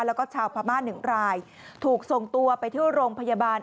แล้วก็ชาวพม่าหนึ่งรายถูกส่งตัวไปที่โรงพยาบาล